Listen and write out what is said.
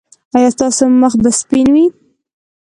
ایا ستاسو مخ به سپین وي؟